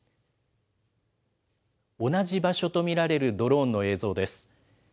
同じ場所と見られるドローンの映像です。